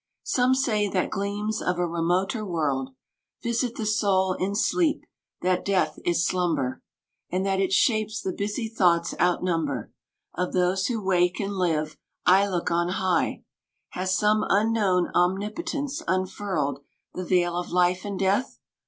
Some say that gleams of a remoter world Visit the soul in sleep, — that death is slumber, And that its shapes the busy thoughts outnumber Of those who wake and live. — I look on high ; Has some unknown omnipotence unfurled The veil of life and death